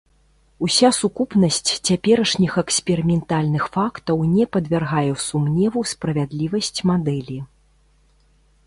Уся сукупнасць цяперашніх эксперыментальных фактаў не падвяргае сумневу справядлівасць мадэлі.